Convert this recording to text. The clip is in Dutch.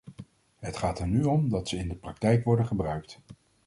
Het gaat er nu om dat ze in de praktijk worden gebruikt.